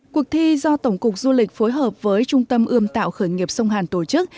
cuộc thi do tổng cục du lịch phối hợp với trung tâm ươm tạo khởi nghiệp sông hàn tổ chức